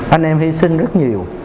anh em hy sinh rất nhiều